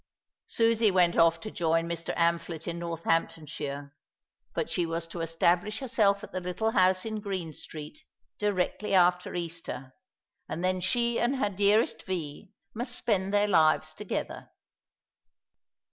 Susie went off to join Mr. Amphlett in Northamptonshire; but she was to establish herself at the little house in Green Street directly after Easter, and then she and her dearest Vee must spend their lives together.